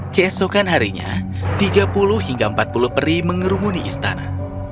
keesokan harinya tiga puluh hingga empat puluh peri mengerumuni istana